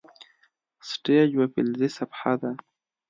سټیج یوه فلزي صفحه ده.